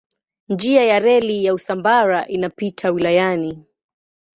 Njia ya reli ya Usambara inapita wilayani.